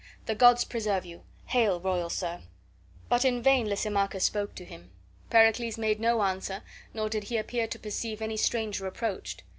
The gods preserve you! Hail, royal sir!" But in vain Lysimachus spoke to him. Pericles made no answer, nor did he appear to perceive any stranger approached.